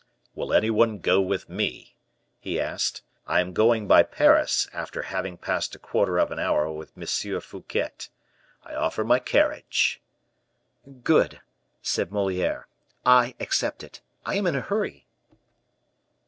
"Will any one go with me?" he asked. "I am going by Paris, after having passed a quarter of an hour with M. Fouquet. I offer my carriage." "Good," said Moliere, "I accept it. I am in a hurry."